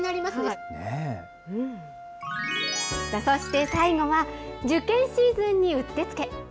そして、最後は受験シーズンにうってつけ。